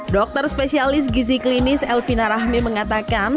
dokter spesialis gizi klinis elvina rahmi mengatakan